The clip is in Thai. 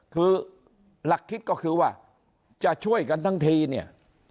คือหลักคิดก็คือว่าจะช่วยกันทั้งทีเนี่ย